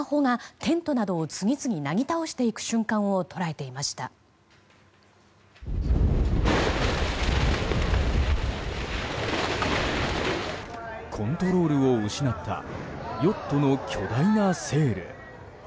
コントロールを失ったヨットの巨大なセール。